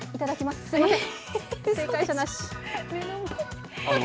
すいません。